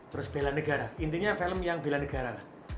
terus belanegara intinya film yang belanegara